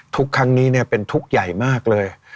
ครั้งนี้เป็นทุกข์ใหญ่มากเลย